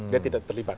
dia tidak terlibat